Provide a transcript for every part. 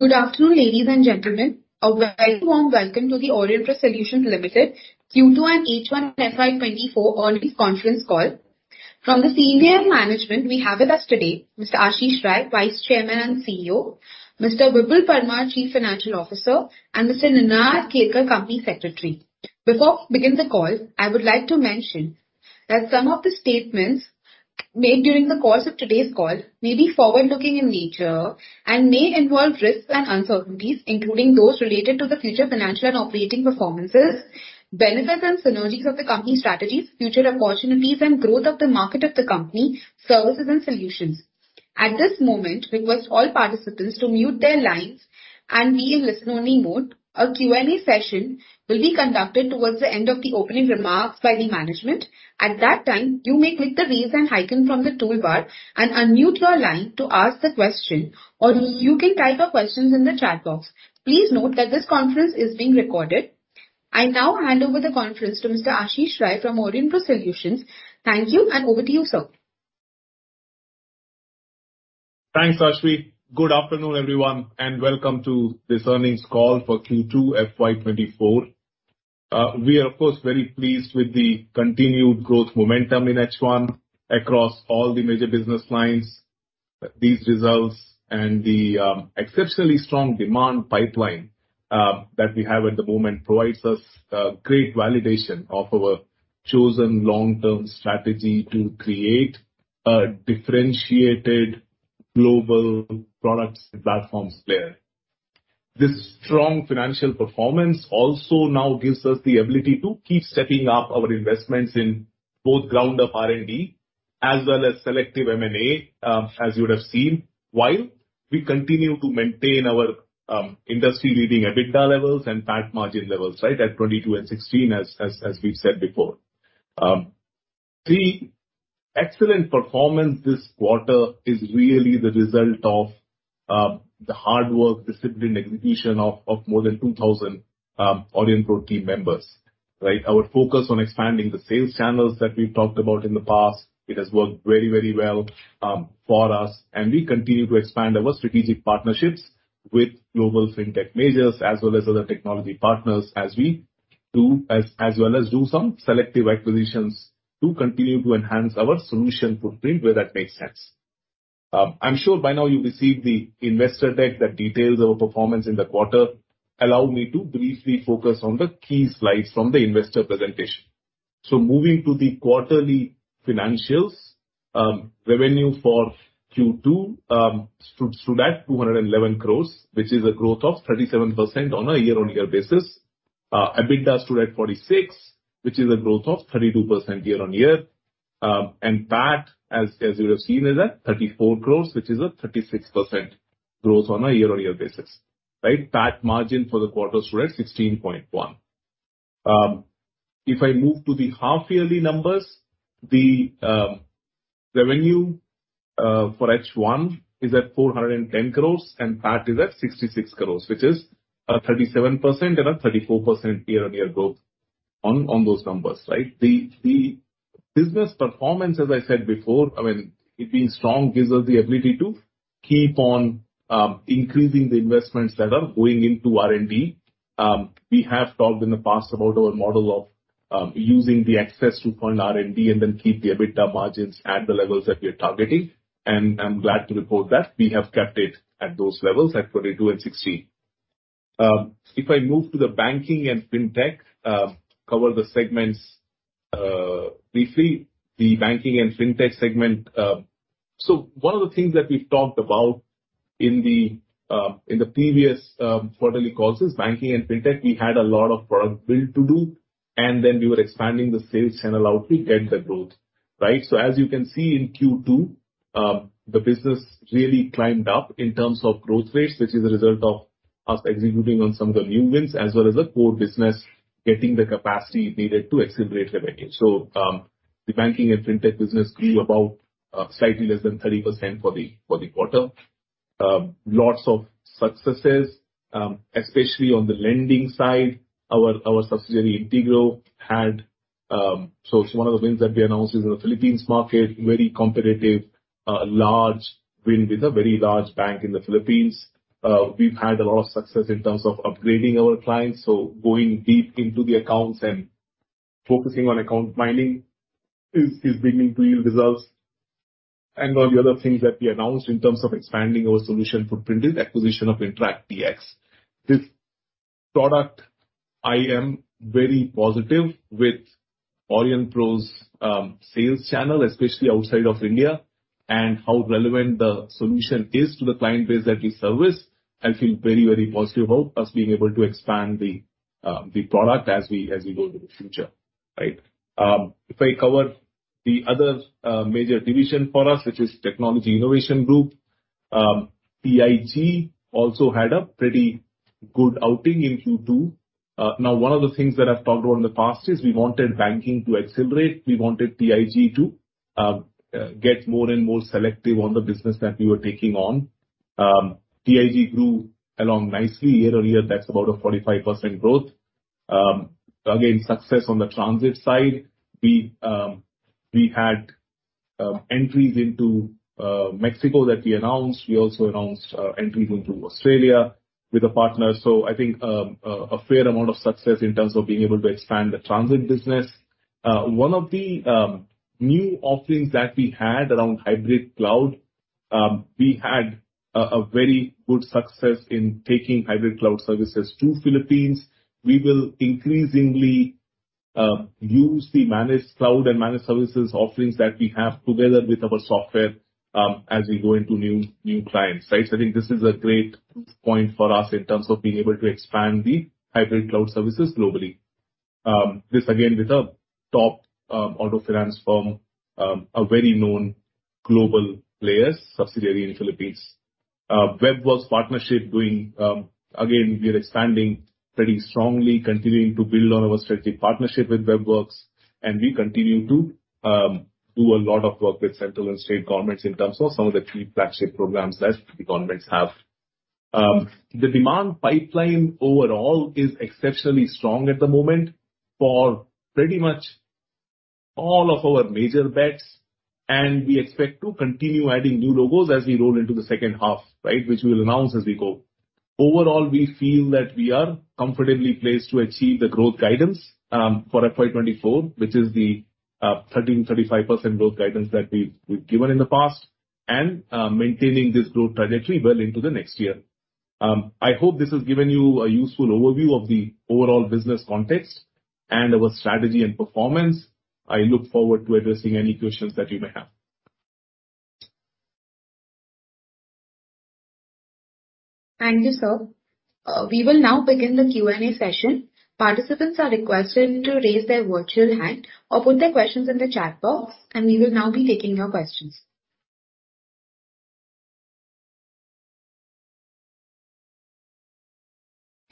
Good afternoon, ladies and gentlemen. A very warm welcome to the Aurionpro Solutions Limited Q2 And H1 FY 2024 Earnings Conference Call. From the senior management, we have with us today Mr. Ashish Rai, Vice Chairman and CEO, Mr. Vipul Parmar, Chief Financial Officer, and Mr. Ninad Kelkar, Company Secretary. Before we begin the call, I would like to mention that some of the statements made during the course of today's call may be forward-looking in nature and may involve risks and uncertainties, including those related to the future financial and operating performances, benefits and synergies of the company strategies, future opportunities, and growth of the market of the company, services and solutions. At this moment, we request all participants to mute their lines and be in listen-only mode. A Q&A session will be conducted towards the end of the opening remarks by the management. At that time, you may click the Raise Hand icon from the toolbar and unmute your line to ask the question, or you can type your questions in the chat box. Please note that this conference is being recorded. I now hand over the conference to Mr. Ashish Rai from Aurionpro Solutions. Thank you, and over to you, sir. Thanks, Ashley. Good afternoon, everyone, and welcome to this Earnings Call for Q2 FY 2024. We are, of course, very pleased with the continued growth momentum in H1 across all the major business lines. These results and the exceptionally strong demand pipeline that we have at the moment provides us great validation of our chosen long-term strategy to create a differentiated global products and platforms player. This strong financial performance also now gives us the ability to keep stepping up our investments in both ground-up R&D as well as selective M&A, as you would have seen. While we continue to maintain our industry-leading EBITDA levels and PAT margin levels, right, at 22% and 16%, as we've said before. The excellent performance this quarter is really the result of the hard work, disciplined execution of more than 2,000 Aurionpro team members, right? Our focus on expanding the sales channels that we've talked about in the past, it has worked very, very well for us, and we continue to expand our strategic partnerships with global fintech majors as well as other technology partners, as well as do some selective acquisitions to continue to enhance our solution footprint where that makes sense. I'm sure by now you've received the investor deck that details our performance in the quarter. Allow me to briefly focus on the key slides from the investor presentation. So moving to the quarterly financials. Revenue for Q2 stood at 211 crores, which is a growth of 37% on a year-on-year basis. EBITDA stood at 46 crores, which is a growth of 32% year-on-year. And PAT, as you would have seen, is at 34 crores, which is a 36% growth on a year-on-year basis, right? PAT margin for the quarter stood at 16.1%. If I move to the half-yearly numbers, revenue for H1 is at 410 crores, and PAT is at 66 crores, which is a 37% and a 34% year-on-year growth on those numbers, right? The business performance, as I said before, I mean, it being strong gives us the ability to keep on increasing the investments that are going into R&D. We have talked in the past about our model of using the excess to fund R&D and then keep the EBITDA margins at the levels that we are targeting, and I'm glad to report that we have kept it at those levels, at 42 and 16. If I move to the banking and fintech cover the segments briefly. The banking and fintech segment. So one of the things that we've talked about in the previous quarterly calls is banking and fintech, we had a lot of product build to do, and then we were expanding the sales channel out to get the growth, right? So as you can see in Q2, the business really climbed up in terms of growth rates, which is a result of us executing on some of the new wins, as well as the core business getting the capacity needed to accelerate revenue. So, the banking and fintech business grew about, slightly less than 30% for the quarter. Lots of successes, especially on the lending side. Our subsidiary, Integro, had, so one of the wins that we announced is in the Philippines market, very competitive, large win with a very large bank in the Philippines. We've had a lot of success in terms of upgrading our clients, so going deep into the accounts and focusing on account mining is bringing real results. All the other things that we announced in terms of expanding our solution footprint is acquisition of Interact DX. This product, I am very positive with Aurionpro's sales channel, especially outside of India, and how relevant the solution is to the client base that we service. I feel very, very positive about us being able to expand the product as we go into the future, right? If I cover the other major division for us, which is Technology Innovation Group. TIG also had a pretty good outing in Q2. Now, one of the things that I've talked about in the past is we wanted banking to accelerate. We wanted TIG to get more and more selective on the business that we were taking on. TIG grew along nicely year-on-year. That's about a 45% growth. Again, success on the transit side. We had entries into Mexico that we announced. We also announced entries into Australia with a partner. So I think a fair amount of success in terms of being able to expand the transit business. One of the new offerings that we had around hybrid cloud, we had a very good success in taking hybrid cloud services to Philippines. We will increasingly use the managed cloud and managed services offerings that we have together with our software as we go into new clients, right? So I think this is a great point for us in terms of being able to expand the hybrid cloud services globally. This again, with a top auto finance firm, a very known global player's subsidiary in Philippines. Web Werks partnership doing, again, we are expanding pretty strongly, continuing to build on our strategic partnership with Web Werks, and we continue to do a lot of work with central and state governments in terms of some of the key flagship programs that the governments have. The demand pipeline overall is exceptionally strong at the moment for pretty much all of our major bets, and we expect to continue adding new logos as we roll into the second half, right, which we'll announce as we go. Overall, we feel that we are comfortably placed to achieve the growth guidance for FY 2024, which is the 13%-35% growth guidance that we've, we've given in the past, and maintaining this growth trajectory well into the next year. I hope this has given you a useful overview of the overall business context and our strategy and performance. I look forward to addressing any questions that you may have. Thank you, sir. We will now begin the Q&A session. Participants are requested to raise their virtual hand or put their questions in the chat box, and we will now be taking your questions.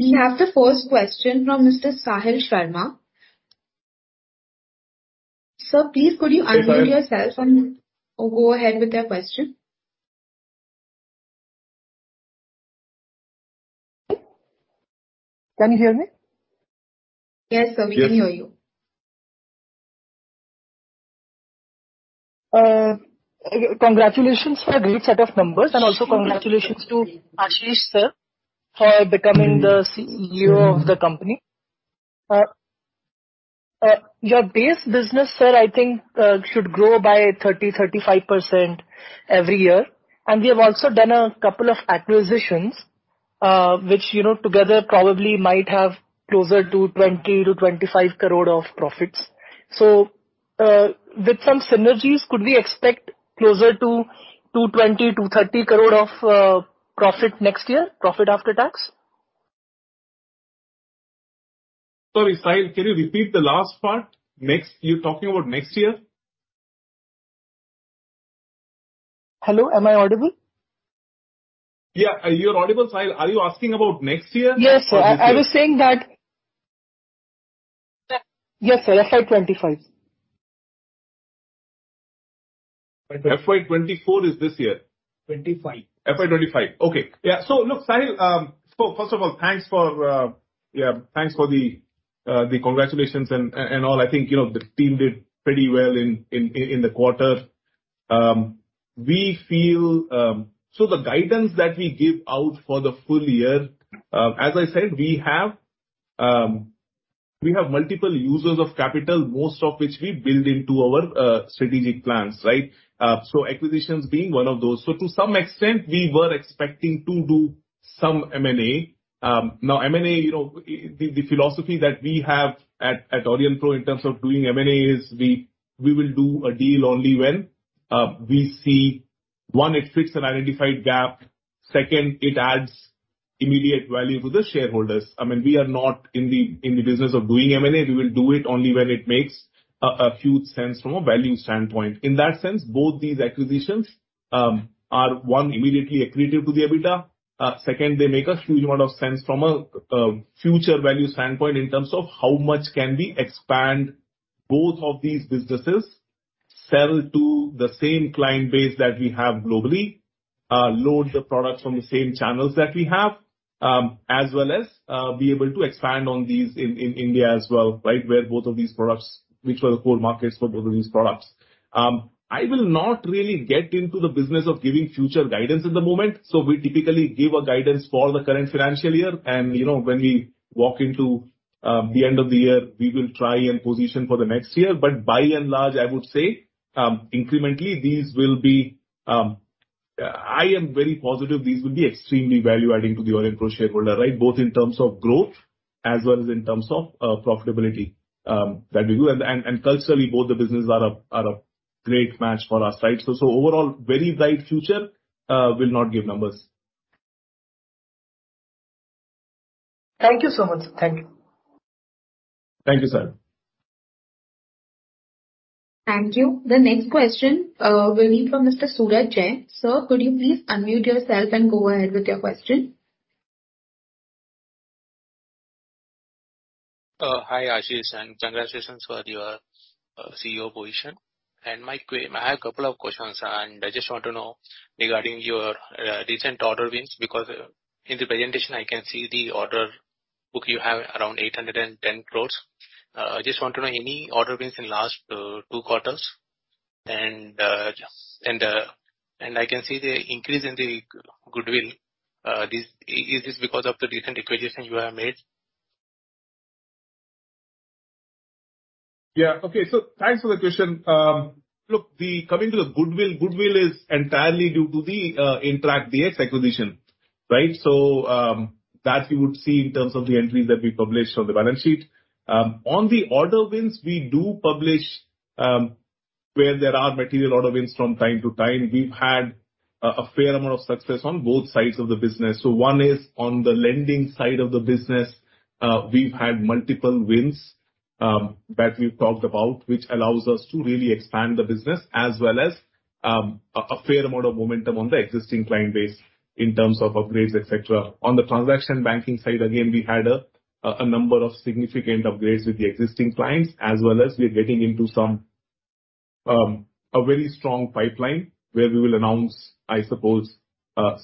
We have the first question from Mr. Sahil Sharma. Sir, please could you unmute- Hi. yourself and go ahead with your question. Can you hear me? Yes, sir- Yes. We can hear you. Congratulations for a great set of numbers, and also congratulations to Ashish, sir, for becoming the CEO of the company. Your base business, sir, I think, should grow by 30%-35% every year. We have also done a couple of acquisitions, which, you know, together probably might have closer to 20-25 crore of profits. With some synergies, could we expect closer to 220-230 crore of profit next year, profit after tax? Sorry, Sahil, can you repeat the last part? Next... You're talking about next year? Hello, am I audible? Yeah. You're audible, Sahil. Are you asking about next year? Yes, sir. Or this year? I was saying that... Yes, sir, FY 25. FY 2024 is this year. Twenty-five. FY 2025. Okay. Yeah. So look, Sahil, so first of all, thanks for, yeah, thanks for the congratulations and all. I think, you know, the team did pretty well in the quarter. We feel... So the guidance that we give out for the full year, as I said, we have multiple users of capital, most of which we build into our strategic plans, right? So acquisitions being one of those. So to some extent, we were expecting to do some M&A. Now, M&A, you know, the philosophy that we have at Aurionpro in terms of doing M&A is we will do a deal only when we see, one, it fits an identified gap, second, it adds immediate value to the shareholders. I mean, we are not in the business of doing M&A. We will do it only when it makes a huge sense from a value standpoint. In that sense, both these acquisitions are one, immediately accretive to the EBITDA. Second, they make a huge amount of sense from a future value standpoint in terms of how much can we expand both of these businesses, sell to the same client base that we have globally, load the products from the same channels that we have, as well as be able to expand on these in India as well, right? Where both of these products, which were the core markets for both of these products. I will not really get into the business of giving future guidance at the moment. So we typically give a guidance for the current financial year. You know, when we walk into the end of the year, we will try and position for the next year. But by and large, I would say, incrementally these will be, I am very positive these will be extremely value-adding to the Aurionpro shareholder, right? Both in terms of growth as well as in terms of profitability that we do. Culturally, both the businesses are a great match for us, right? Overall, very bright future, will not give numbers. Thank you so much, sir. Thank you. Thank you, sir. Thank you. The next question will be from Mr. Suraj Jain. Sir, could you please unmute yourself and go ahead with your question? Hi, Ashish, and congratulations for your CEO position. I have a couple of questions, and I just want to know regarding your recent order wins, because in the presentation, I can see the order book you have around 810 crores. I just want to know any order wins in last two quarters? And just and I can see the increase in the goodwill. Is this because of the recent acquisitions you have made? Yeah. Okay. So thanks for the question. Look, the coming to the goodwill, goodwill is entirely due to the Interact DX acquisition, right? So, that you would see in terms of the entries that we published on the balance sheet. On the order wins, we do publish where there are material order wins from time to time. We've had a fair amount of success on both sides of the business. So one is on the lending side of the business, we've had multiple wins that we've talked about, which allows us to really expand the business as well as a fair amount of momentum on the existing client base in terms of upgrades, et cetera. On the transaction banking side, again, we had a number of significant upgrades with the existing clients, as well as we're getting into some very strong pipeline where we will announce, I suppose,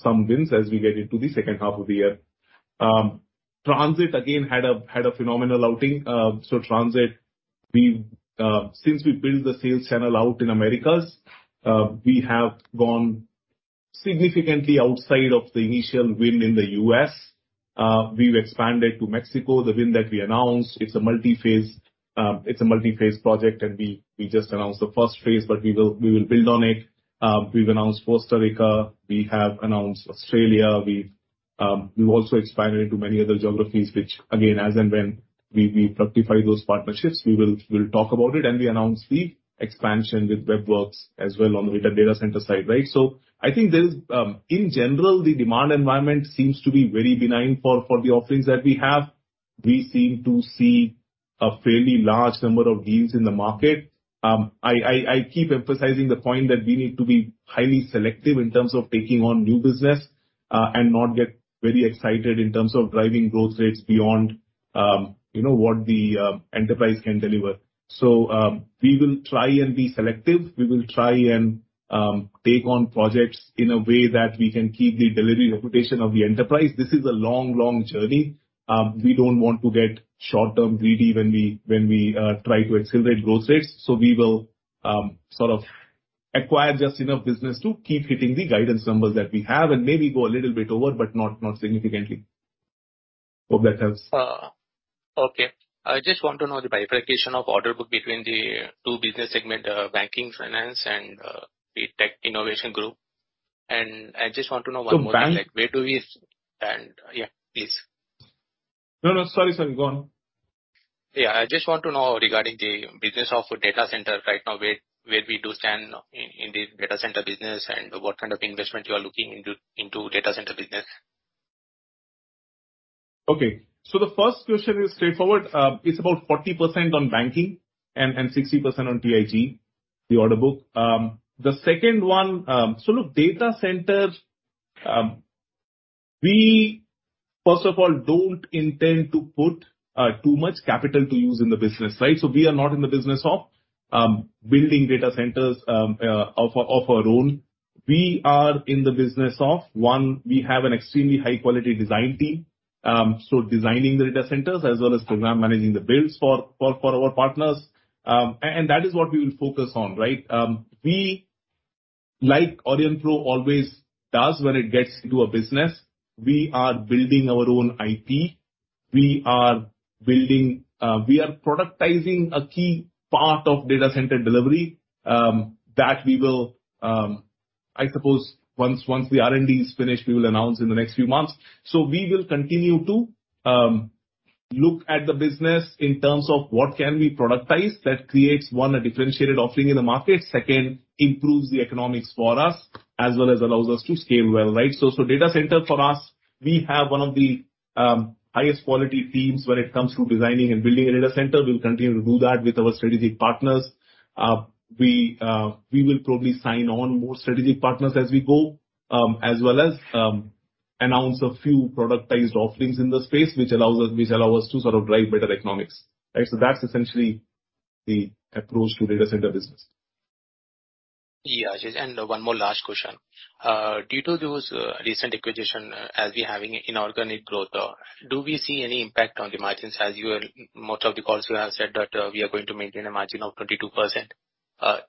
some wins as we get into the second half of the year. Transit again had a phenomenal outing. So Transit, we since we built the sales channel out in Americas, we have gone significantly outside of the initial win in the U.S. We've expanded to Mexico. The win that we announced, it's a multiphase, it's a multiphase project, and we just announced the first phase, but we will build on it. We've announced Costa Rica, we have announced Australia. We've also expanded into many other geographies, which again, as and when we fructify those partnerships, we will talk about it. And we announced the expansion with Web Werks as well on the data center side, right? So I think there is, in general, the demand environment seems to be very benign for the offerings that we have. We seem to see a fairly large number of deals in the market. I keep emphasizing the point that we need to be highly selective in terms of taking on new business, and not get very excited in terms of driving growth rates beyond, you know, what the enterprise can deliver. So, we will try and be selective. We will try and take on projects in a way that we can keep the delivery reputation of the enterprise. This is a long, long journey. We don't want to get short-term greedy when we try to accelerate growth rates. We will sort of acquire just enough business to keep hitting the guidance numbers that we have and maybe go a little bit over, but not significantly. Hope that helps. Okay. I just want to know the bifurcation of order book between the two business segment, banking, finance and the Technology Innovation Group. And I just want to know one more thing- So bank- Like, where do we stand? Yeah, please. No, no. Sorry, sorry, go on. Yeah, I just want to know regarding the business of data center right now, where we do stand in the data center business and what kind of investment you are looking into the data center business? Okay. So the first question is straightforward. It's about 40% on banking and 60% on TIG, the order book. The second one, so look, data centers, we first of all don't intend to put too much capital to use in the business, right? So we are not in the business of building data centers of our own. We are in the business of, one, we have an extremely high-quality design team, so designing the data centers as well as program managing the builds for our partners. And that is what we will focus on, right? We, like Aurionpro always does when it gets into a business, we are building our own IP. We are building, we are productizing a key part of data center delivery, that we will, I suppose once the R&D is finished, we will announce in the next few months. So we will continue to look at the business in terms of what can we productize that creates, one, a differentiated offering in the market. Second, improves the economics for us as well as allows us to scale well, right? So data center for us, we have one of the highest quality teams when it comes to designing and building a data center. We'll continue to do that with our strategic partners. We will probably sign on more strategic partners as we go, as well as announce a few productized offerings in the space, which allows us, which allow us to sort of drive better economics. Right? That's essentially the approach to data center business. Yeah, and one more last question. Due to those recent acquisition as we're having inorganic growth, do we see any impact on the margins as you are... Most of the calls you have said that we are going to maintain a margin of 22%.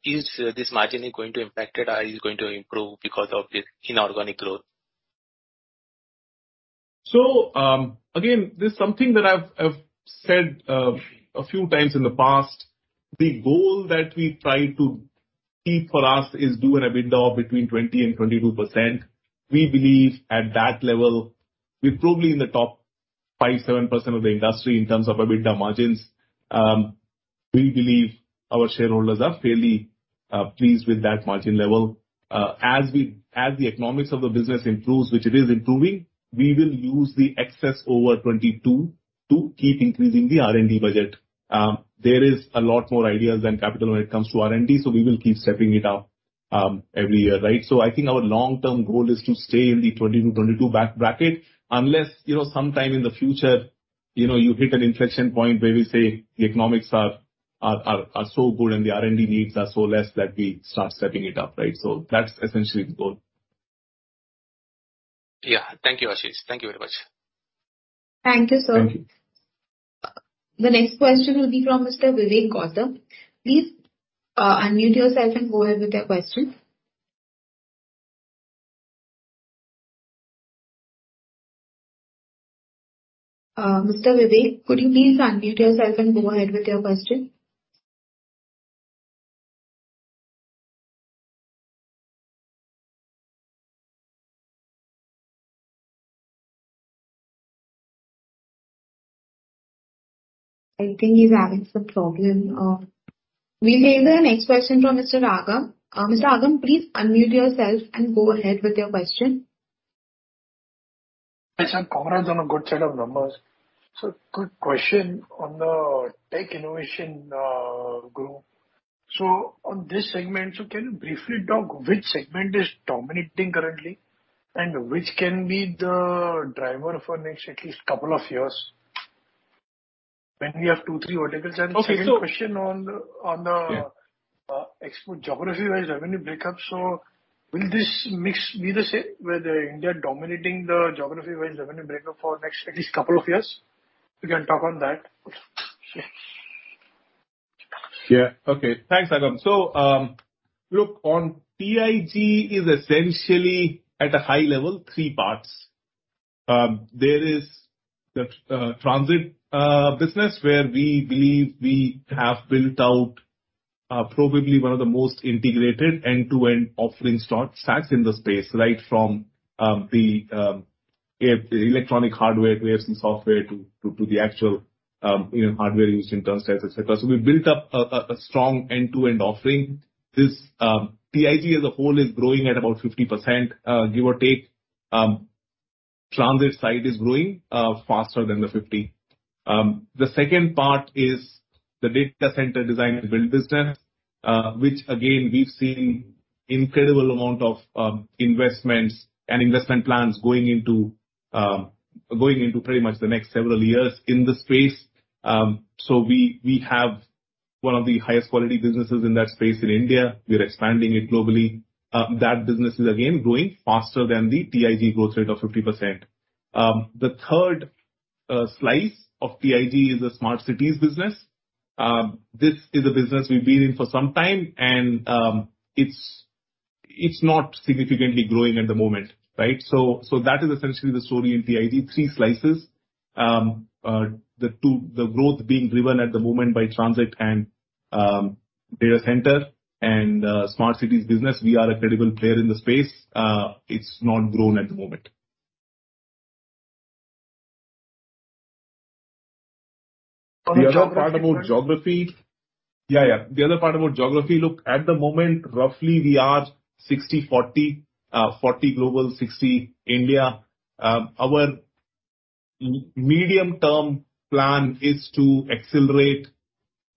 Is this margin going to impacted or is it going to improve because of the inorganic growth? So, again, this is something that I've said a few times in the past. The goal that we try to keep for us is do an EBITDA between 20%-22%. We believe at that level, we're probably in the top 5-7% of the industry in terms of EBITDA margins. We believe our shareholders are fairly pleased with that margin level. As the economics of the business improves, which it is improving, we will use the excess over 22 to keep increasing the R&D budget. There is a lot more ideas than capital when it comes to R&D, so we will keep stepping it up every year, right? I think our long-term goal is to stay in the 20-22 bracket, unless, you know, sometime in the future, you know, you hit an inflection point where we say the economics are so good and the R&D needs are so less that we start stepping it up, right? That's essentially the goal.... Yeah. Thank you, Ashish. Thank you very much. Thank you, sir. Thank you. The next question will be from Mr. Vivek Gautam. Please, unmute yourself and go ahead with your question. Mr. Vivek, could you please unmute yourself and go ahead with your question? I think he's having some problem. We'll take the next question from Mr. Agam. Mr. Agam, please unmute yourself and go ahead with your question. Hi, sir. Congrats on a good set of numbers. So, quick question on the Technology Innovation Group. So, on this segment, so can you briefly talk which segment is dominating currently, and which can be the driver for next at least couple of years when we have two, three verticals? Okay, so- The second question on the- Yeah. Export geography-wise revenue breakup. So will this mix be the same, with India dominating the geography-wise revenue breakup for next at least couple of years? You can talk on that. Yeah. Okay. Thanks, Agam. So, look, on TIG is essentially at a high level, three parts. There is the transit business, where we believe we have built out probably one of the most integrated end-to-end offering stock stacks in the space, right? From the electronic hardware, we have some software to the actual, you know, hardware use in terms of, etc. So we built up a strong end-to-end offering. This TIG as a whole is growing at about 50%, give or take. Transit side is growing faster than the 50%. The second part is the data center design and build business, which again, we've seen incredible amount of investments and investment plans going into going into pretty much the next several years in the space. So we have one of the highest quality businesses in that space in India. We're expanding it globally. That business is again growing faster than the TIG growth rate of 50%. The third slice of TIG is the smart cities business. This is a business we've been in for some time, and it's not significantly growing at the moment, right? So that is essentially the story in TIG, three slices. The two... The growth being driven at the moment by transit and data center and smart cities business, we are a credible player in the space. It's not grown at the moment. On the geography- The other part about geography... Yeah, yeah. The other part about geography, look, at the moment, roughly we are 60/40. Forty global, 60 India. Our medium-term plan is to accelerate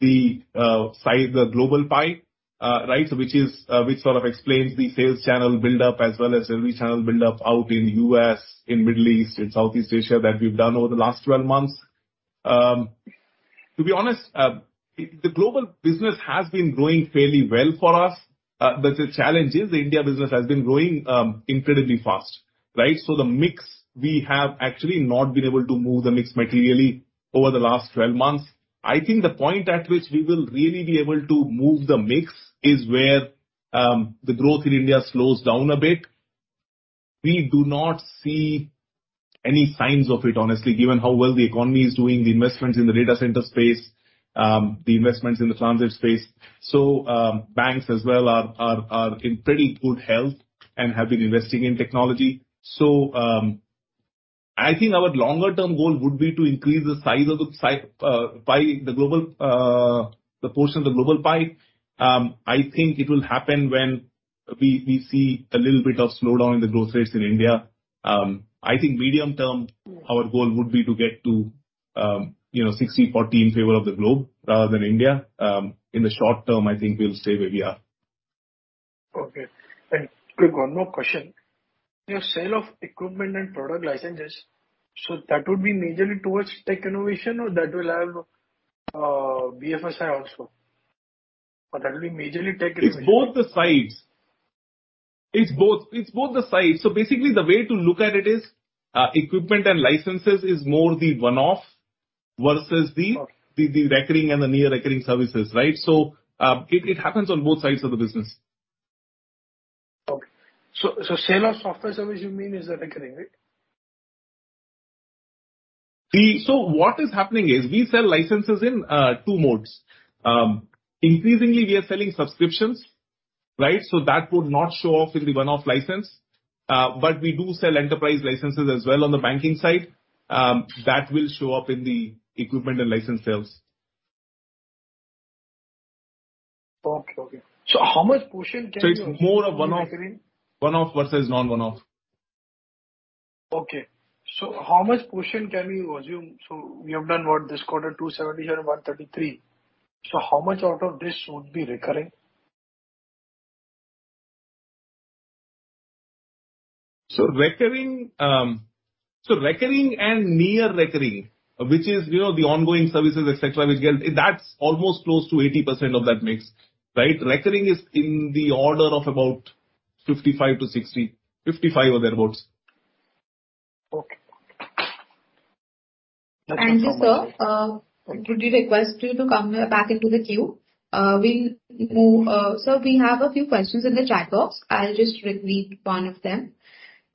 the size, the global pie, right? Which sort of explains the sales channel buildup as well as the rechanneled buildup out in U.S., in Middle East, in Southeast Asia, that we've done over the last 12 months. To be honest, the global business has been growing fairly well for us. But the challenge is the India business has been growing incredibly fast, right? So the mix, we have actually not been able to move the mix materially over the last 12 months. I think the point at which we will really be able to move the mix is where the growth in India slows down a bit. We do not see any signs of it, honestly, given how well the economy is doing, the investments in the data center space, the investments in the transit space. So, banks as well are in pretty good health and have been investing in technology. So, I think our longer term goal would be to increase the size of the pie, the global portion of the global pie. I think it will happen when we see a little bit of slowdown in the growth rates in India. I think medium term, our goal would be to get to, you know, 60/40 in favor of the globe rather than India. In the short term, I think we'll stay where we are. Okay. Quick, one more question. Your sale of equipment and product licenses, so that would be majorly towards tech innovation, or that will have, BFSI also? Or that will be majorly tech innovation? It's both the sides. It's both, it's both the sides. So basically, the way to look at it is, equipment and licenses is more the one-off versus the- Okay. The recurring and the near recurring services, right? So, it happens on both sides of the business. Okay. So, sale of software service, you mean, is the recurring, right? What is happening is we sell licenses in two modes. Increasingly, we are selling subscriptions, right? That would not show up in the one-off license. But we do sell enterprise licenses as well on the banking side. That will show up in the equipment and license sales. Okay, okay. So how much portion can we- So it's more of one-off- Recurring. One-off versus non one-off. Okay. How much portion can we assume? We have done what, this quarter, 277, 133. How much out of this would be recurring? ... So recurring and near recurring, which is, you know, the ongoing services, et cetera, which get, that's almost close to 80% of that mix, right? Recurring is in the order of about 55%-60%, 55 or thereabouts. Okay. Thank you, sir. Could we request you to come back into the queue? We'll move... Sir, we have a few questions in the chat box. I'll just read one of them.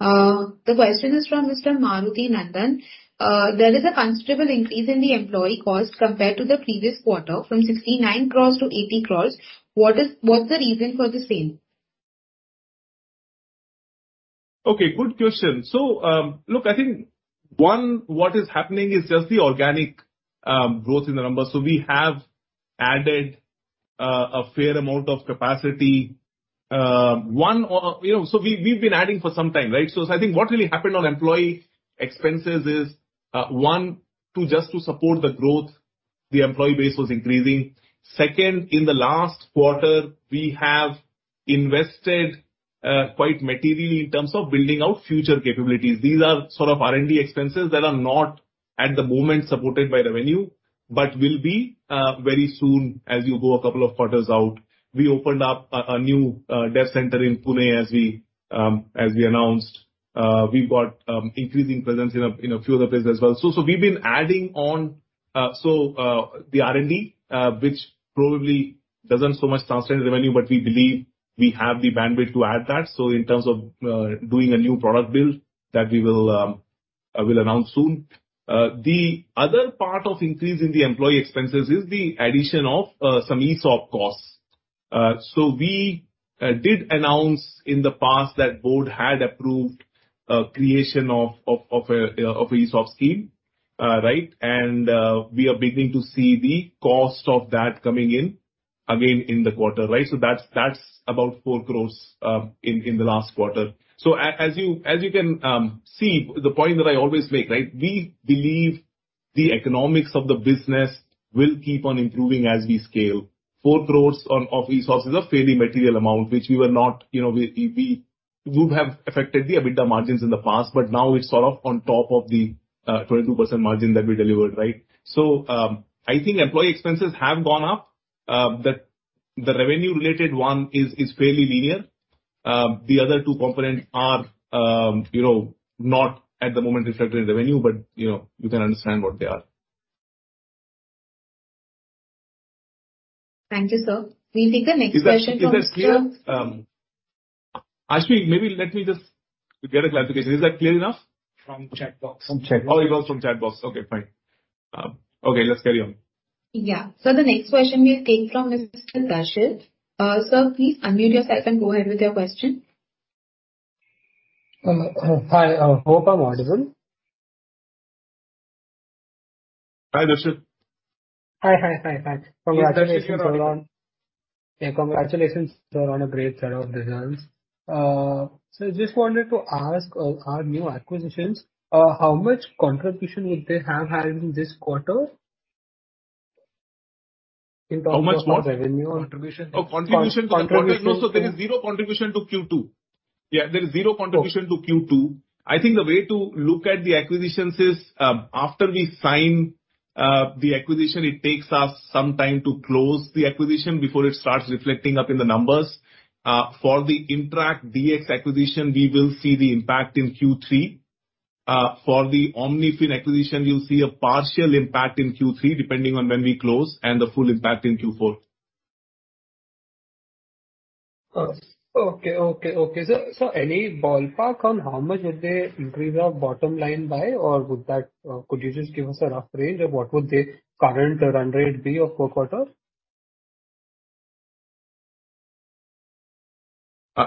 The question is from Mr. Maruti Nandan. There is a considerable increase in the employee cost compared to the previous quarter, from 69 crore to 80 crore. What is, what's the reason for the same? Okay, good question. So, look, I think, one, what is happening is just the organic growth in the numbers. So we have added a fair amount of capacity. One, you know, so we, we've been adding for some time, right? So I think what really happened on employee expenses is, one, to just to support the growth, the employee base was increasing. Second, in the last quarter, we have invested quite materially in terms of building out future capabilities. These are sort of R&D expenses that are not, at the moment, supported by revenue, but will be very soon as you go a couple of quarters out. We opened up a new dev center in Pune, as we announced. We've got increasing presence in a few other places as well. So, we've been adding on, the R&D, which probably doesn't so much translate to revenue, but we believe we have the bandwidth to add that. So in terms of doing a new product build that we will announce soon. The other part of increasing the employee expenses is the addition of some ESOP costs. So we did announce in the past that board had approved a creation of a ESOP scheme, right? And we are beginning to see the cost of that coming in again in the quarter, right? So that's about 4 crore in the last quarter. So as you can see, the point that I always make, right, we believe the economics of the business will keep on improving as we scale. 4 crore of ESOPs is a fairly material amount, which we were not. You know, we would have affected the EBITDA margins in the past, but now it's sort of on top of the 22% margin that we delivered, right? So I think employee expenses have gone up. The revenue related one is fairly linear. The other two components are, you know, not at the moment reflected in revenue, but, you know, you can understand what they are. Thank you, sir. We'll take the next question from- Is that clear? Actually, maybe let me just get a clarification. Is that clear enough? From chat box. From chat box. Oh, it was from chat box. Okay, fine. Okay, let's carry on. Yeah. So the next question is came from Mr. Dashil. Sir, please unmute yourself and go ahead with your question. Hi, hope I'm audible. Hi, Dashil. Hi, hi, hi, hi. Yes, Dashil, you are on- Congratulations, sir, on a great set of results. So just wanted to ask our new acquisitions how much contribution would they have had in this quarter? In terms of- How much what? Revenue contribution. Oh, contribution to the quarter. Contribution. No, so there is zero contribution to Q2. Yeah, there is zero contribution to Q2. Okay. I think the way to look at the acquisitions is, after we sign the acquisition, it takes us some time to close the acquisition before it starts reflecting up in the numbers. For the Interact DX acquisition, we will see the impact in Q3. For the OmniFin acquisition, you'll see a partial impact in Q3, depending on when we close, and the full impact in Q4. Okay. Okay, okay, sir. So any ballpark on how much would they improve our bottom line by? Or would that, could you just give us a rough range of what would the current run rate be of per quarter?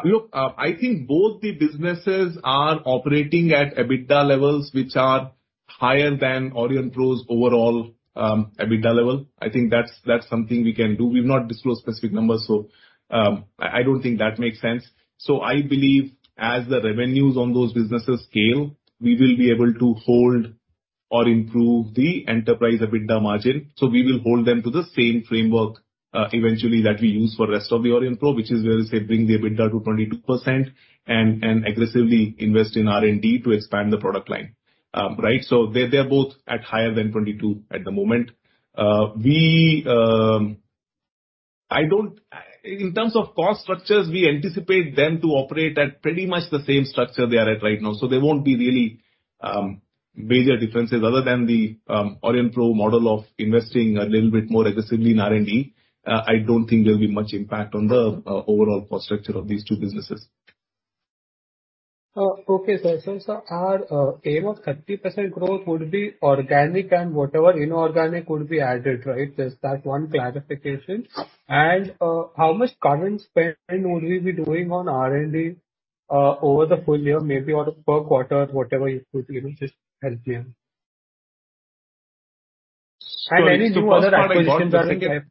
You know, I think both the businesses are operating at EBITDA levels, which are higher than Aurionpro's overall EBITDA level. I think that's, that's something we can do. We've not disclosed specific numbers, so, I don't think that makes sense. So I believe as the revenues on those businesses scale, we will be able to hold or improve the enterprise EBITDA margin. So we will hold them to the same framework, eventually that we use for rest of the Aurionpro, which is where we say, bring the EBITDA to 22% and aggressively invest in R&D to expand the product line. Right? So they, they're both at higher than 22% at the moment. In terms of cost structures, we anticipate them to operate at pretty much the same structure they are at right now. There won't be really major differences other than the Aurionpro model of investing a little bit more aggressively in R&D. I don't think there'll be much impact on the overall cost structure of these two businesses. Okay, sir. So, sir, our aim of 30% growth would be organic and whatever inorganic would be added, right? There's that one clarification. And, how much current spend would we be doing on R&D, over the full year, maybe on a per quarter, whatever you could, you know, just help me? And any new other acquisitions are there- So the first part, I got. The second-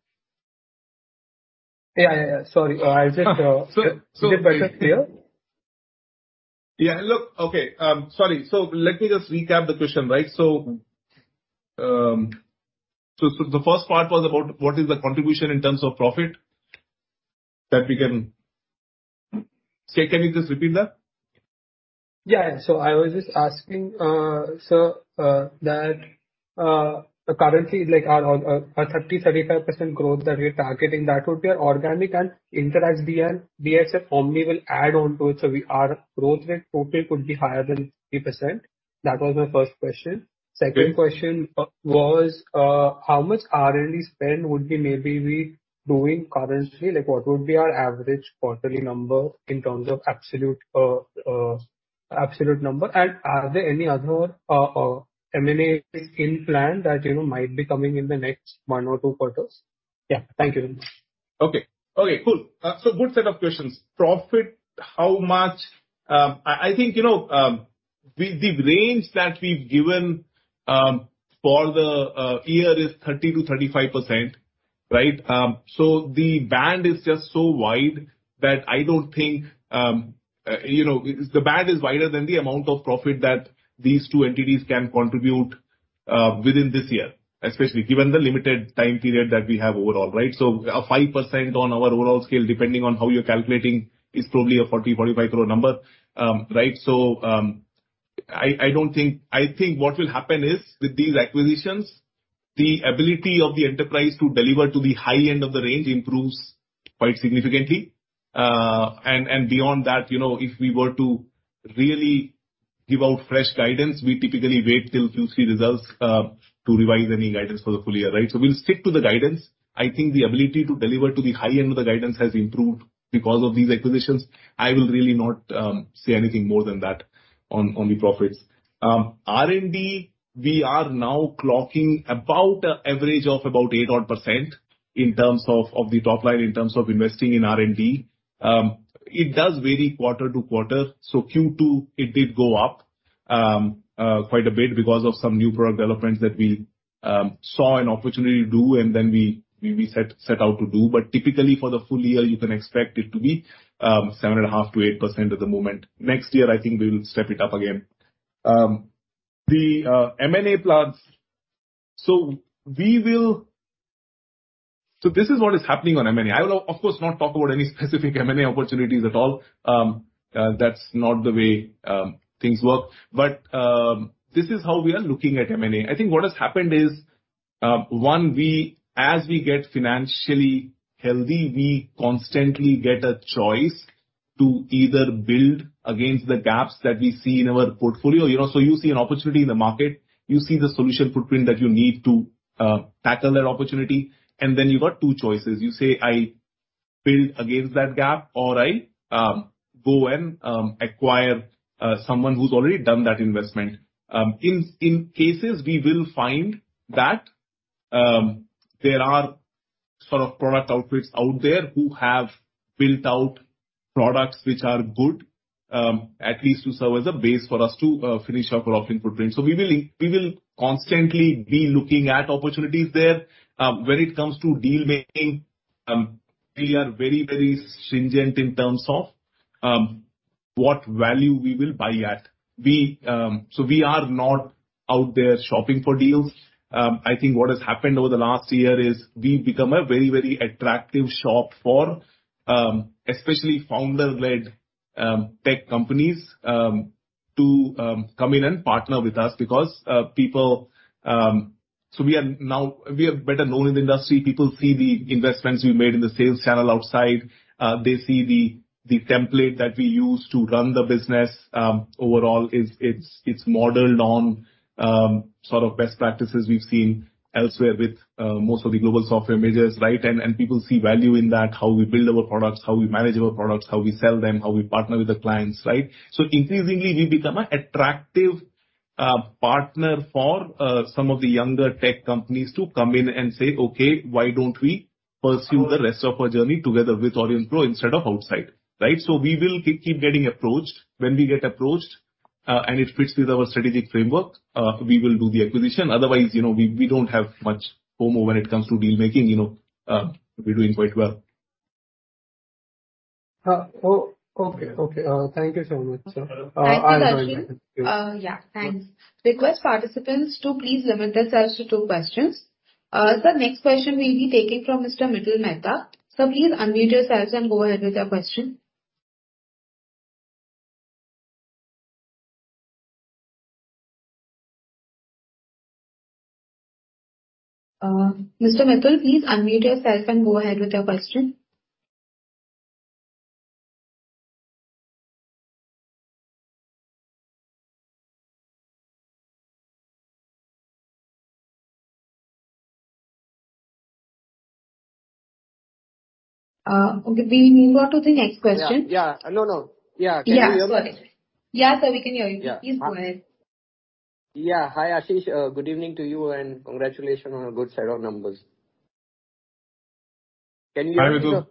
Yeah, yeah, yeah. Sorry. I'll just, So, so- Just bear. Yeah, look, okay, sorry. So let me just recap the question, right. So the first part was about what is the contribution in terms of profit?... that we can. Sorry, can you just repeat that? Yeah. So I was just asking, sir, the currency, like, our, our 30%-35% growth that we're targeting, that would be our organic and Interact DX, BSF Omni will add on to it, so we, our growth rate total could be higher than 30%. That was my first question. Yes. Second question, how much R&D spend would be maybe we doing currently? Like, what would be our average quarterly number in terms of absolute, absolute number? And are there any other M&A in plan that, you know, might be coming in the next one or two quarters? Yeah. Thank you very much. Okay. Okay, cool. So good set of questions. Profit, how much? I think, you know, with the range that we've given, for the year is 30%-35%, right? So the band is just so wide that I don't think, you know, the band is wider than the amount of profit that these two entities can contribute, within this year, especially given the limited time period that we have overall, right? So a 5% on our overall scale, depending on how you're calculating, is probably a 40-45 crore number. Right? So, I don't think... I think what will happen is, with these acquisitions, the ability of the enterprise to deliver to the high end of the range improves quite significantly. And beyond that, you know, if we were to really give out fresh guidance, we typically wait till Q3 results to revise any guidance for the full year, right? So we'll stick to the guidance. I think the ability to deliver to the high end of the guidance has improved because of these acquisitions. I will really not say anything more than that on the profits. R&D, we are now clocking about an average of about eight odd percent in terms of the top line, in terms of investing in R&D. It does vary quarter to quarter, so Q2, it did go up quite a bit because of some new product developments that we saw an opportunity to do and then we set out to do. Typically for the full year, you can expect it to be 7.5%-8% at the moment. Next year, I think we will step it up again. The M&A plans. So this is what is happening on M&A. I will, of course, not talk about any specific M&A opportunities at all. That's not the way things work. But this is how we are looking at M&A. I think what has happened is, one, we, as we get financially healthy, we constantly get a choice to either build against the gaps that we see in our portfolio. You know, so you see an opportunity in the market, you see the solution footprint that you need to tackle that opportunity, and then you've got two choices. You say, "I build against that gap," or, "I go and acquire someone who's already done that investment." In cases, we will find that there are sort of product outfits out there who have built out products which are good, at least to serve as a base for us to finish our product footprint. So we will constantly be looking at opportunities there. When it comes to deal making, we are very, very stringent in terms of what value we will buy at. We so we are not out there shopping for deals. I think what has happened over the last year is we've become a very, very attractive shop for especially founder-led tech companies to come in and partner with us because people... We are now better known in the industry. People see the investments we made in the sales channel outside. They see the template that we use to run the business. Overall, it's modeled on sort of best practices we've seen elsewhere with most of the global software majors, right? And people see value in that, how we build our products, how we manage our products, how we sell them, how we partner with the clients, right? So increasingly, we've become an attractive partner for some of the younger tech companies to come in and say, "Okay, why don't we pursue the rest of our journey together with Aurionpro instead of outside?" Right? So we will keep getting approached. When we get approached, and it fits with our strategic framework, we will do the acquisition. Otherwise, you know, we don't have much FOMO when it comes to deal making, you know, we're doing quite well. Oh, okay. Okay, thank you so much, sir. Thank you, Dashil. I'll join you. Yeah, thanks. Request participants to please limit themselves to two questions. Sir, next question will be taken from Mr. Mitul Mehta. Sir, please unmute yourself and go ahead with your question. Mr. Mitul, please unmute yourself and go ahead with your question. Okay, we move on to the next question. Yeah, yeah. No, no. Yeah, can you hear me? Yeah, got it. Yeah, sir, we can hear you. Yeah. Please go ahead. Yeah. Hi, Ashish, good evening to you, and congratulations on a good set of numbers. Can you hear me, sir? Hi, Mitul.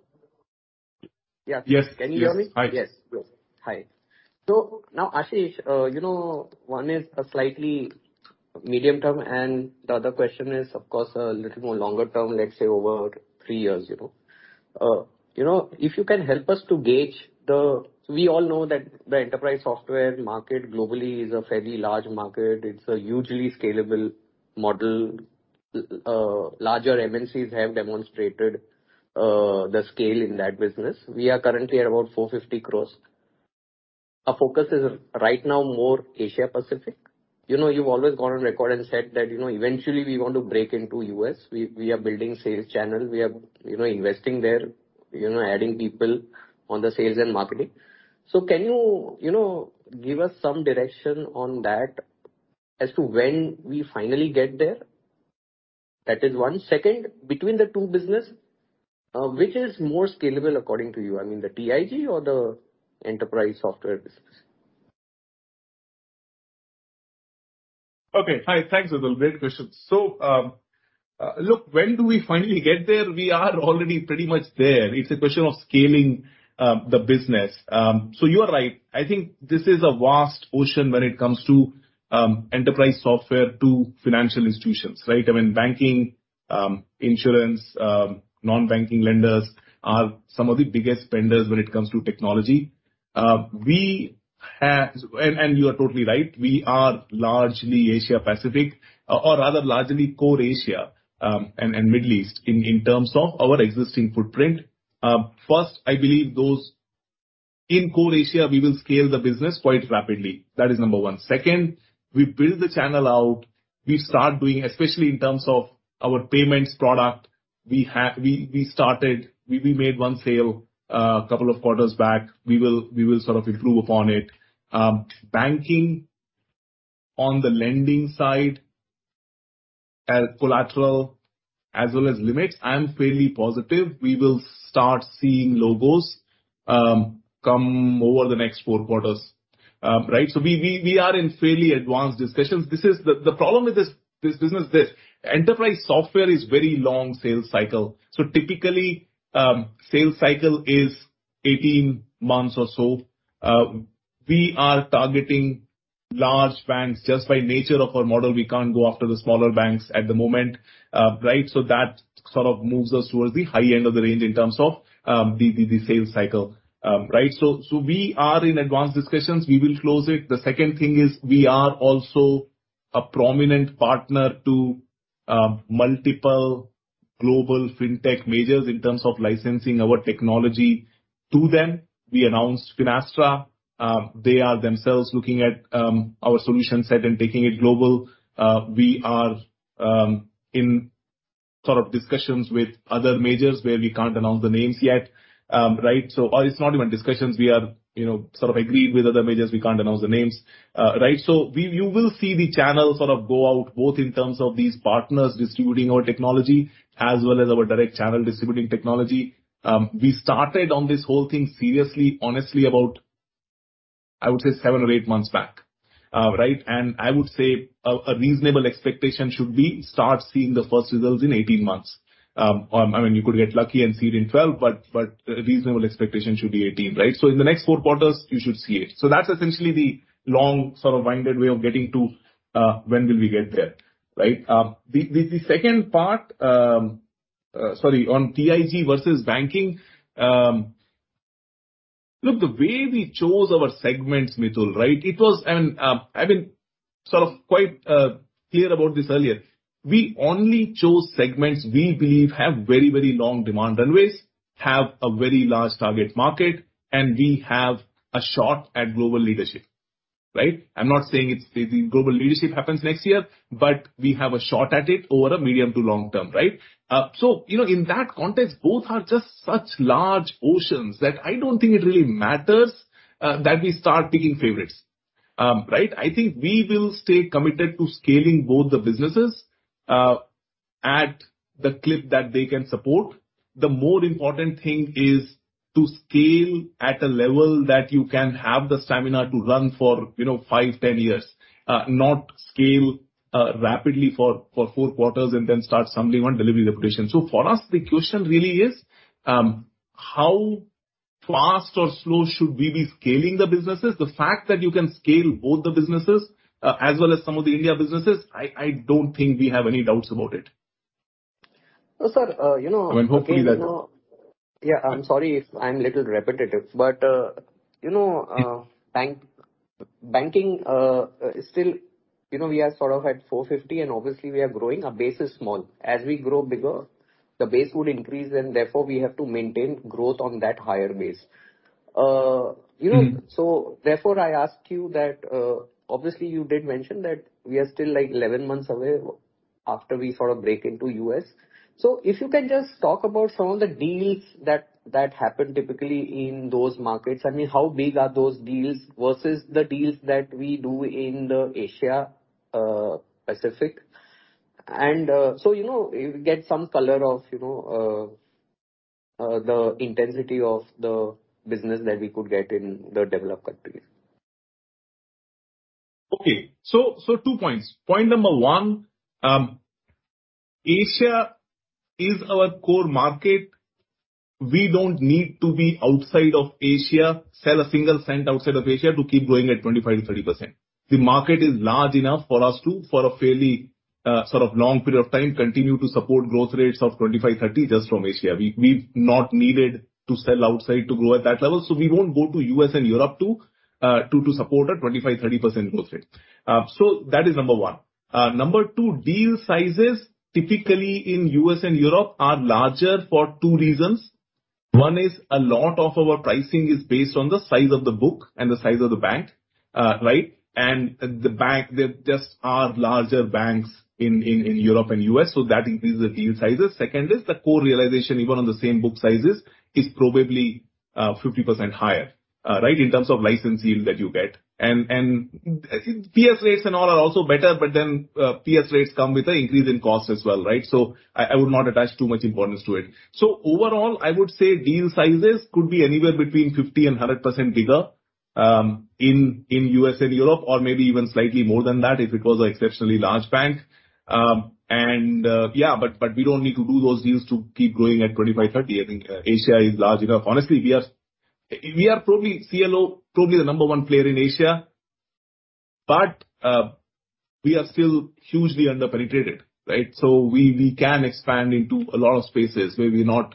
Yeah. Yes. Can you hear me? Yes. Yes. Good. Hi. So now, Ashish, you know, one is a slightly medium term, and the other question is, of course, a little more longer term, let's say over three years, you know. You know, if you can help us to gauge the... We all know that the enterprise software market globally is a fairly large market. It's a hugely scalable model... larger MNCs have demonstrated the scale in that business. We are currently at about 450 crores. Our focus is right now more Asia Pacific. You know, you've always gone on record and said that, you know, eventually we want to break into U.S. We are building sales channel, we are, you know, investing there, you know, adding people on the sales and marketing. So can you, you know, give us some direction on that as to when we finally get there? That is one. Second, between the two business, which is more scalable, according to you? I mean, the TIG or the enterprise software business. Okay. Hi. Thanks, Mitul. Great question. So, look, when do we finally get there? We are already pretty much there. It's a question of scaling the business. So you are right. I think this is a vast ocean when it comes to enterprise software to financial institutions, right? I mean, banking, insurance, non-banking lenders are some of the biggest spenders when it comes to technology. We have... And you are totally right, we are largely Asia Pacific, or rather largely core Asia, and Middle East in terms of our existing footprint. First, I believe those in core Asia, we will scale the business quite rapidly. That is number one. Second, we build the channel out. We start doing, especially in terms of our payments product. We have started; we made one sale a couple of quarters back. We will sort of improve upon it. Banking on the lending side, collateral as well as limits, I am fairly positive we will start seeing logos come over the next four quarters. Right? So we are in fairly advanced discussions. This is the problem with this business: enterprise software is very long sales cycle. So typically, sales cycle is 18 months or so. We are targeting large banks. Just by nature of our model, we can't go after the smaller banks at the moment, right? So that sort of moves us towards the high end of the range in terms of the sales cycle. Right? So we are in advanced discussions. We will close it. The second thing is we are also a prominent partner to multiple global fintech majors in terms of licensing our technology to them. We announced Finastra. They are themselves looking at our solution set and taking it global. We are in sort of discussions with other majors where we can't announce the names yet. Right? So it's not even discussions, we are, you know, sort of agreed with other majors. We can't announce the names. Right? So you will see the channel sort of go out, both in terms of these partners distributing our technology as well as our direct channel distributing technology. We started on this whole thing seriously, honestly, about, I would say, seven or eight months back. Right? I would say a reasonable expectation should be start seeing the first results in 18 months. I mean, you could get lucky and see it in 12, but a reasonable expectation should be 18, right? So in the next four quarters, you should see it. So that's essentially the long, sort of, winded way of getting to when will we get there, right? The second part, sorry, on TIG versus banking. Look, the way we chose our segments, Mitul, right, it was. I've been sort of quite clear about this earlier. We only chose segments we believe have very, very long demand runways, have a very large target market, and we have a shot at global leadership, right? I'm not saying it's the global leadership happens next year, but we have a shot at it over a medium to long term, right? So, you know, in that context, both are just such large oceans that I don't think it really matters that we start picking favorites. Right? I think we will stay committed to scaling both the businesses at the clip that they can support. The more important thing is to scale at a level that you can have the stamina to run for, you know, five, 10 years. Not scale rapidly for four quarters and then start stumbling on delivery reputation. So for us, the question really is how fast or slow should we be scaling the businesses? The fact that you can scale both the businesses, as well as some of the India businesses, I don't think we have any doubts about it. No, sir, you know- I mean, hopefully that- Yeah, I'm sorry if I'm a little repetitive, but, you know, Yeah... bank, banking, still, you know, we are sort of at 450, and obviously we are growing. Our base is small. As we grow bigger, the base would increase, and therefore we have to maintain growth on that higher base. You know- Mm-hmm. So therefore, I ask you that, obviously, you did mention that we are still, like, 11 months away after we sort of break into US. So if you can just talk about some of the deals that, that happen typically in those markets. I mean, how big are those deals versus the deals that we do in the Asia Pacific? And so, you know, you get some color of, you know, the intensity of the business that we could get in the developed countries. Okay. So two points. Point number one, Asia is our core market. We don't need to be outside of Asia, sell a single cent outside of Asia to keep growing at 25%-30%. The market is large enough for us to, for a fairly, sort of long period of time, continue to support growth rates of 25%-30%, just from Asia. We, we've not needed to sell outside to grow at that level, so we won't go to U.S. and Europe to support a 25%-30% growth rate. So that is number one. Number two, deal sizes typically in U.S. and Europe are larger for two reasons. One is, a lot of our pricing is based on the size of the book and the size of the bank, right? The bank, there just are larger banks in Europe and U.S., so that increases the deal sizes. Second is the core realization, even on the same book sizes, is probably 50% higher, right, in terms of license yield that you get. And I think PS rates and all are also better, but then PS rates come with an increase in cost as well, right? So I would not attach too much importance to it. So overall, I would say deal sizes could be anywhere between 50% and 100% bigger in U.S. and Europe, or maybe even slightly more than that if it was an exceptionally large bank. And we don't need to do those deals to keep growing at 25-30. I think Asia is large enough. Honestly, we are probably CLO, probably the number one player in Asia, but we are still hugely under-penetrated, right? So we can expand into a lot of spaces where we're not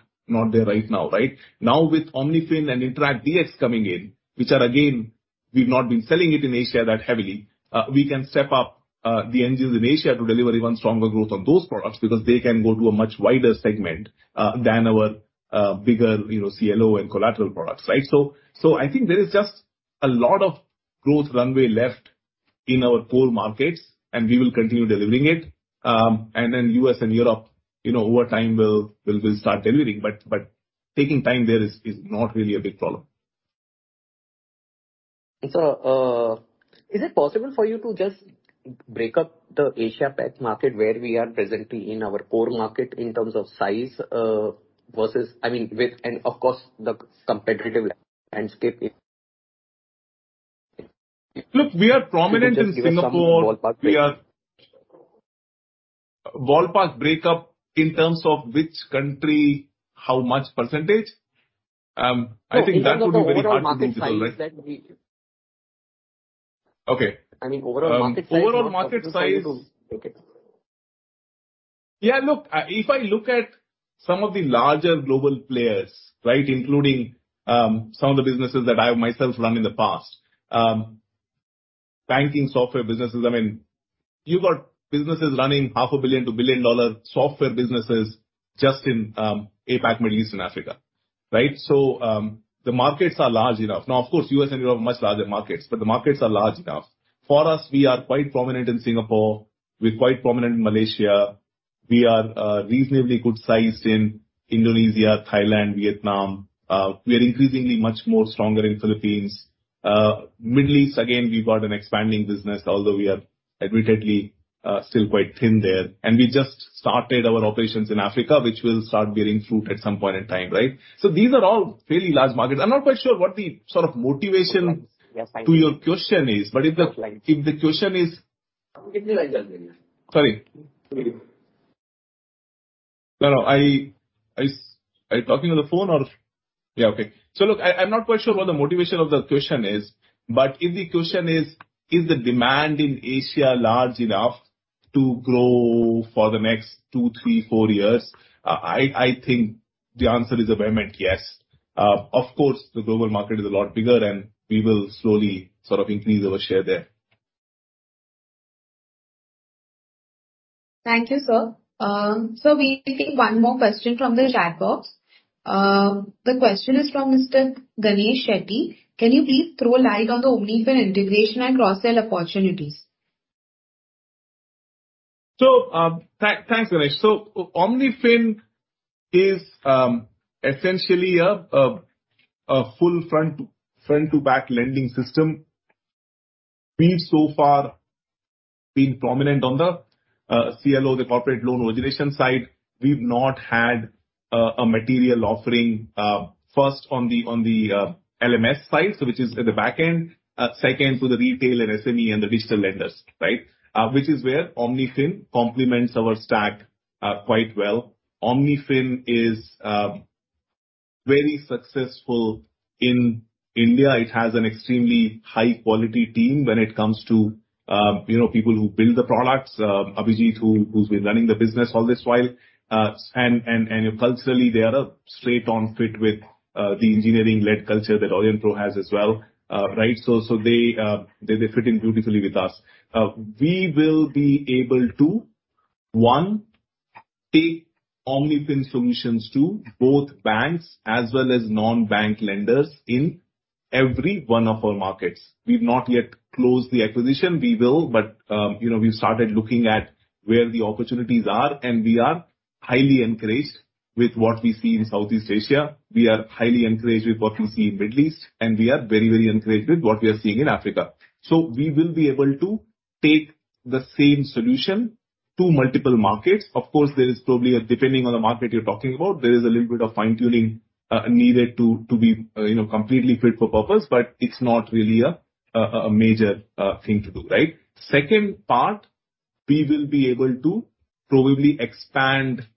there right now, right? Now, with OmniFin and Interact DX coming in, which are, again, we've not been selling it in Asia that heavily, we can step up the engines in Asia to deliver even stronger growth on those products, because they can go to a much wider segment than our bigger, you know, CLO and collateral products, right? So I think there is just a lot of growth runway left in our core markets, and we will continue delivering it. And then U.S. and Europe, you know, over time will start delivering, but taking time there is not really a big problem. Is it possible for you to just break up the Asia PAC market, where we are presently in our core market, in terms of size, versus—I mean, with and, of course, the competitive landscape? Look, we are prominent in Singapore. We are- Ballpark breakup in terms of which country, how much percentage? I think that would be very hard to do, right? No, in terms of overall market size that we... Okay. I mean, overall market size. Overall market size? Okay. Yeah, look, if I look at some of the larger global players, right, including, some of the businesses that I have myself run in the past, banking software businesses, I mean, you've got businesses running $500 million-$1 billion software businesses just in APAC, Middle East and Africa, right? So, the markets are large enough. Now, of course, US and Europe are much larger markets, but the markets are large enough. For us, we are quite prominent in Singapore. We're quite prominent in Malaysia. We are reasonably good sized in Indonesia, Thailand, Vietnam. We are increasingly much more stronger in Philippines. Middle East, again, we've got an expanding business, although we are admittedly still quite thin there. And we just started our operations in Africa, which will start bearing fruit at some point in time, right? So these are all fairly large markets. I'm not quite sure what the sort of motivation- Yes, I know. to your question is, but if the Absolutely. If the question is... Sorry? No, no. Are you talking on the phone or... Yeah, okay. So look, I'm not quite sure what the motivation of the question is, but if the question is: Is the demand in Asia large enough to grow for the next two, three, four years? I think the answer is a vehement yes. Of course, the global market is a lot bigger, and we will slowly sort of increase our share there. Thank you, sir. So we have one more question from the chat box. The question is from Mr. Ganesh Shetty: Can you please throw light on the OmniFin integration and cross-sell opportunities? So, thanks, Ganesh. So OmniFin is essentially a full front-to-back lending system. We've so far been prominent on the CLO, the corporate loan origination side. We've not had a material offering, first on the LMS side, so which is at the back end. Second, to the retail and SME and the digital lenders, right? Which is where OmniFin complements our stack quite well. OmniFin is very successful in India. It has an extremely high quality team when it comes to, you know, people who build the products. Abhijit, who's been running the business all this while. And culturally, they are a straight-on fit with the engineering-led culture that Aurionpro has as well, right? So they fit in beautifully with us. We will be able to, one, take OmniFin solutions to both banks as well as non-bank lenders in every one of our markets. We've not yet closed the acquisition. We will, but, you know, we started looking at where the opportunities are, and we are highly encouraged with what we see in Southeast Asia. We are highly encouraged with what we see in Middle East, and we are very, very encouraged with what we are seeing in Africa. So we will be able to take the same solution to multiple markets. Of course, there is probably a, depending on the market you're talking about, there is a little bit of fine-tuning needed to, to be, you know, completely fit for purpose, but it's not really a major thing to do, right? Second part, we will be able to probably expand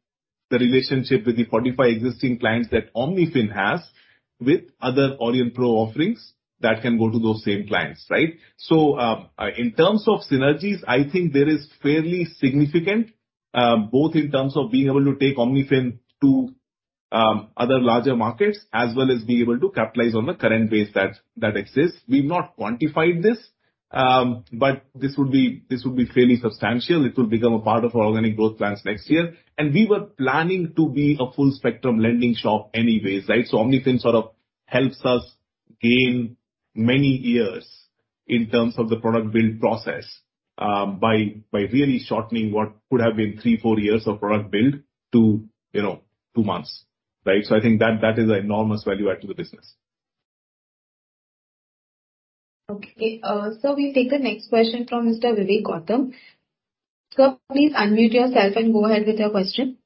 the relationship with the 45 existing clients that OmniFin has with other Aurionpro offerings that can go to those same clients, right? So, in terms of synergies, I think there is fairly significant, both in terms of being able to take OmniFin to other larger markets, as well as being able to capitalize on the current base that exists. We've not quantified this. But this would be, this would be fairly substantial. It will become a part of our organic growth plans next year. And we were planning to be a full spectrum lending shop anyways, right? So OmniFin sort of helps us gain many years in terms of the product build process, by really shortening what could have been 3-4 years of product build to, you know, two months, right? I think that, that is an enormous value add to the business. Okay, so we'll take the next question from Mr. Vivek Gautam. Sir, please unmute yourself and go ahead with your question.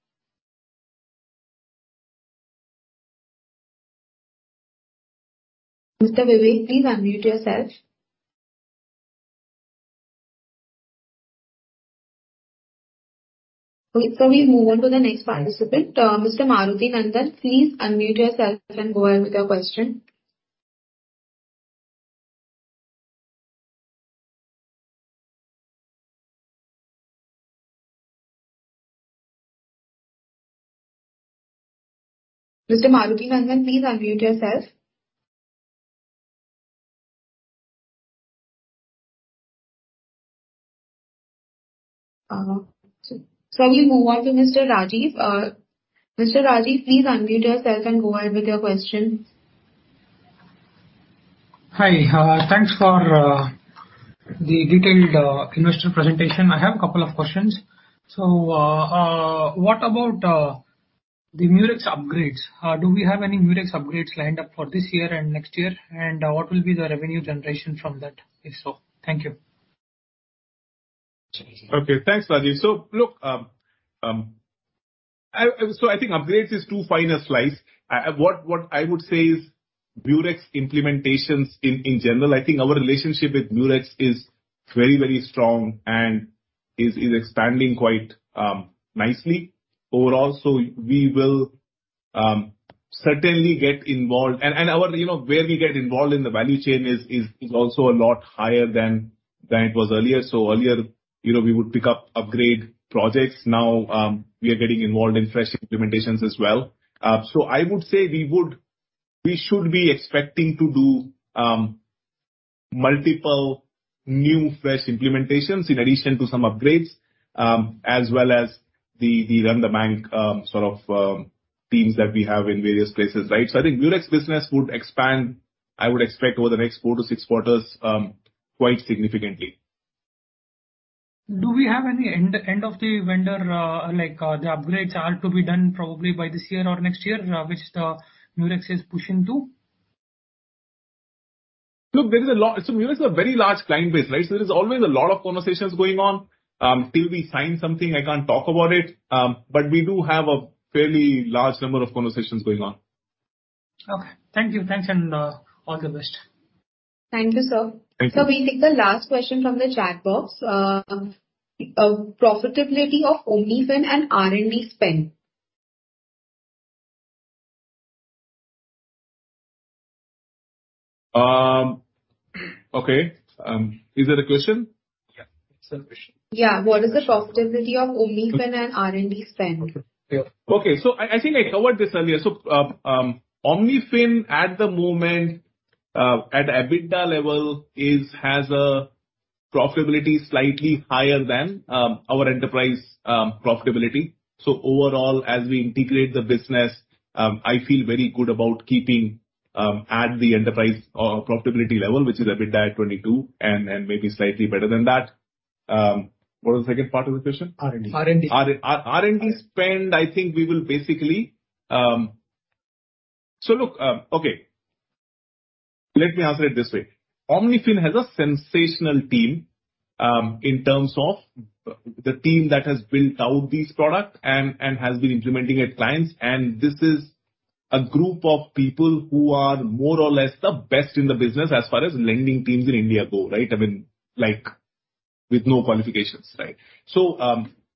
Mr. Vivek, please unmute yourself. Okay, so we move on to the next participant. Mr. Maruti Nandan, please unmute yourself and go ahead with your question. Mr. Maruti Nandan, please unmute yourself. So we move on to Mr. Rajiv. Mr. Rajiv, please unmute yourself and go ahead with your question. Hi, thanks for the detailed investor presentation. I have a couple of questions. So, what about the Murex upgrades? Do we have any Murex upgrades lined up for this year and next year? And what will be the revenue generation from that, if so? Thank you. Okay, thanks, Rajiv. So look, I think upgrades is too fine a slice. What I would say is Murex implementations in general, I think our relationship with Murex is very, very strong and is expanding quite nicely overall. So we will certainly get involved... And our, you know, where we get involved in the value chain is also a lot higher than it was earlier. So earlier, you know, we would pick up upgrade projects. Now, we are getting involved in fresh implementations as well. So I would say we would- we should be expecting to do multiple new, fresh implementations in addition to some upgrades, as well as the run-the-bank sort of teams that we have in various places, right? I think Murex business would expand. I would expect over the next 4-6 quarters quite significantly. Do we have any end of the vendor, like, the upgrades are to be done probably by this year or next year, which Murex is pushing to? Look, there is a lot... So Murex is a very large client base, right? So there is always a lot of conversations going on. Till we sign something, I can't talk about it, but we do have a fairly large number of conversations going on. Okay. Thank you. Thanks, and all the best. Thank you, sir. Thank you. Sir, we take the last question from the chat box. Profitability of OmniFin and R&D spend. Okay. Is that a question? Yeah, it's a question. Yeah. What is the profitability of OmniFin and R&D spend? Okay, yeah. Okay. So I think I covered this earlier. So, OmniFin at the moment, at EBITDA level is, has a profitability slightly higher than, our enterprise, profitability. So overall, as we integrate the business, I feel very good about keeping, at the enterprise, profitability level, which is EBITDA at 22, and maybe slightly better than that. What was the second part of the question? R&D. R&D. Our R&D spend, I think we will basically. So look, okay. Let me answer it this way. OmniFin has a sensational team, in terms of the team that has built out this product and has been implementing it clients. And this is a group of people who are more or less the best in the business as far as lending teams in India go, right? I mean, like, with no qualifications, right? So,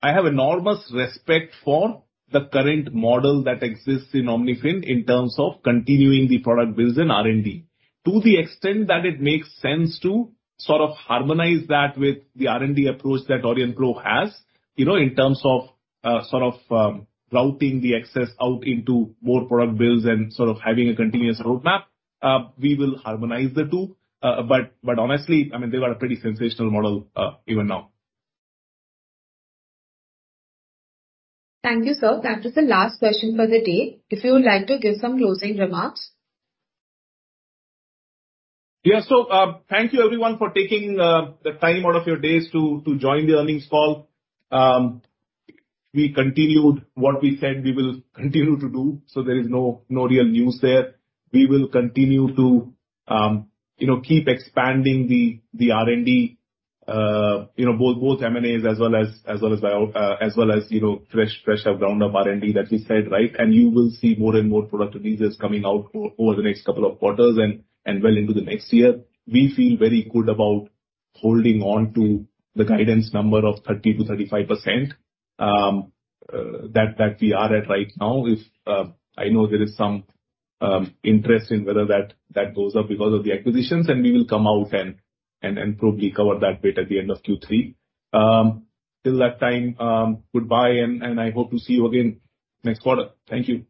I have enormous respect for the current model that exists in OmniFin in terms of continuing the product builds in R&D. To the extent that it makes sense to sort of harmonize that with the R&D approach that Aurionpro has, you know, in terms of, sort of, routing the excess out into more product builds and sort of having a continuous roadmap, we will harmonize the two. But honestly, I mean, they've got a pretty sensational model, even now. Thank you, sir. That was the last question for the day. If you would like to give some closing remarks. Yeah. So, thank you everyone for taking the time out of your days to join the earnings call. We continued what we said we will continue to do, so there is no real news there. We will continue to, you know, keep expanding the R&D, you know, both M&As as well as fresh ground-up R&D that we said, right? And you will see more and more product releases coming out over the next couple of quarters and well into the next year. We feel very good about holding on to the guidance number of 30%-35% that we are at right now. If I know there is some interest in whether that goes up because of the acquisitions, and we will come out and probably cover that bit at the end of Q3. Till that time, goodbye, and I hope to see you again next quarter. Thank you.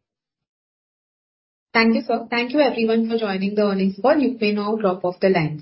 Thank you, sir. Thank you everyone for joining the earnings call. You may now drop off the lines.